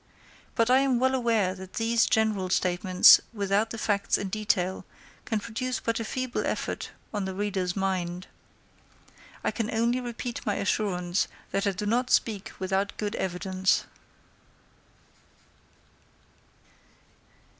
But I am well aware that these general statements, without the facts in detail, can produce but a feeble effect on the reader's mind. I can only repeat my assurance, that I do not speak without good evidence.